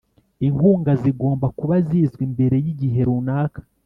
inkunga zigomba kuba zizwi mbere y'igihe runaka